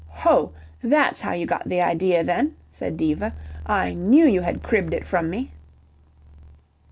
"Ho! That's how you got the idea then," said Diva. "I knew you had cribbed it from me."